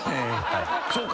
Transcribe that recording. そうか。